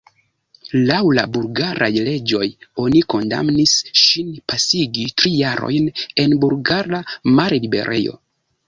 Laŭ la bulgaraj leĝoj oni kondamnis ŝin pasigi tri jarojn en bulgara malliberejo.